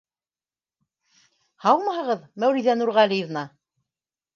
— Һаумыһығыҙ, Мәүлиҙә Нурғәлиевна!